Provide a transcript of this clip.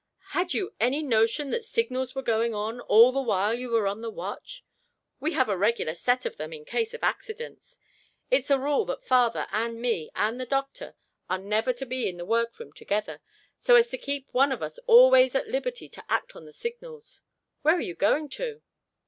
Had you any notion that signals were going on, all the while you were on the watch? We have a regular set of them in case of accidents. It's a rule that father, and me, and the doctor are never to be in the workroom together so as to keep one of us always at liberty to act on the signals. Where are you going to?"